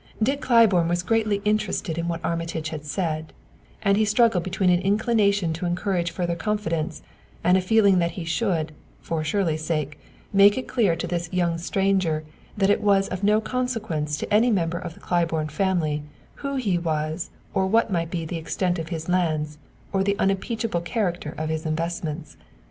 Dick Claiborne was greatly interested in what Armitage had said, and he struggled between an inclination to encourage further confidence and a feeling that he should, for Shirley's sake, make it clear to this young stranger that it was of no consequence to any member of the Claiborne family who he was or what might be the extent of his lands or the unimpeachable character of his investments.